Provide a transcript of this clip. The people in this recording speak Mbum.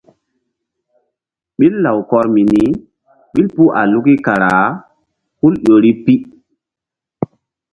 Ɓil lawkɔr mini ɓil puh a luki kara hul ƴo ri pi.